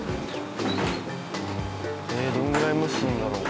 どのぐらい蒸すんだろう？